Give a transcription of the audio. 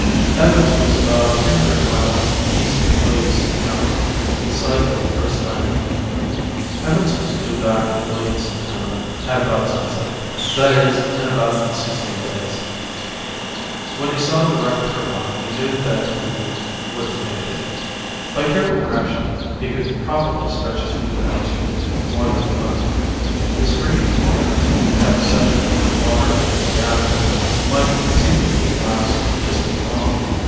Evans was about three hundred miles east of Williamson Town, the site of the first landing on the Moon. Evans was due back at Williamson Town at about sunset, that is, in about sixteen days. When he saw the wrecked turbine, he knew that he wouldn't make it. By careful rationing, he could probably stretch his food out to more than a month. His drinking water kept separate from the water in the reactor might conceivably last just as long.